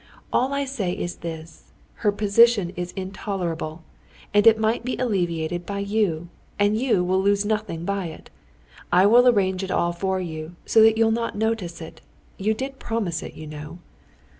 "All I say is this: her position is intolerable, and it might be alleviated by you, and you will lose nothing by it. I will arrange it all for you, so that you'll not notice it. You did promise it, you know."